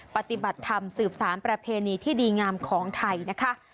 ปฏิบัติธรรมสืบสารประเพณีที่ดีงามของไทยนะคะ